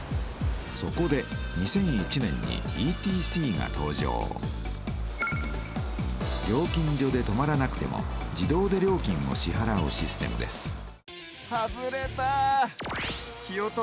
そこで２００１年にＥＴＣが登場料金所で止まらなくても自動で料金を支はらうシステムです